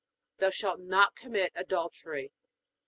Thou shalt not commit adultery.